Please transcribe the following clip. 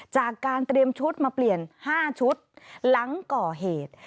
จากการเตรียมชุดมาเปลี่ยน๕ชุดหลังก่อเหตุ